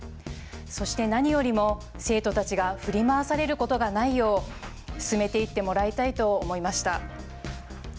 そして何よりも生徒たちが振り回されることがないよう進めていってもらいたいと思いました。